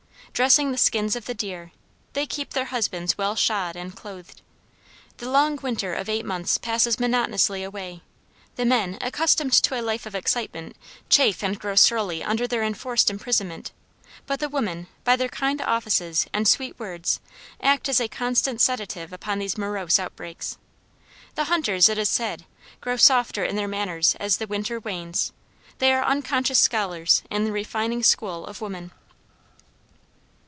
Dressing the skins of the deer, they keep their husbands well shod and clothed. The long winter of eight months passes monotonously away; the men, accustomed to a life of excitement, chafe and grow surly under their enforced imprisonment; but the women, by their kind offices and sweet words, act as a constant sedative upon these morose outbreaks. The hunters, it is said, grow softer in their manners as the winter wanes. They are unconscious scholars in the refining school of woman.